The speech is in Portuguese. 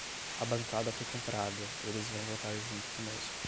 A bancada foi comprada, eles vão votar junto conosco